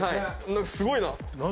すごいな！